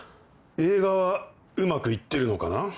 映画はうまくいってるのかな？